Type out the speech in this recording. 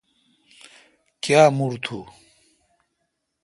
کاں مر تو۔